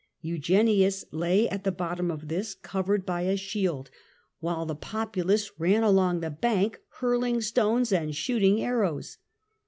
Eugenius lay at the bottom of this covered by a shield. 172 THE END OF THE MIDDLE AGE while the populace ran along the bank hurling stones and shooting arrows.